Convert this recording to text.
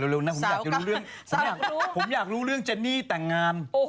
เร็วนะผมอยากรู้เรื่องเจนนี่แต่งงาน